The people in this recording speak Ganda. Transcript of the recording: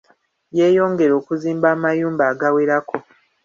Yeyongera okuzimba amayumba agawerako.